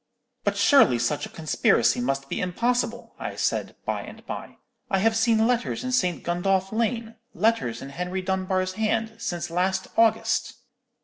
"'But surely such a conspiracy must be impossible,' I said, by and by; 'I have seen letters in St. Gundolph Lane, letters in Henry Dunbar's hand, since last August.'